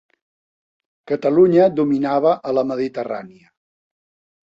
Catalunya dominava a la Mediterrània.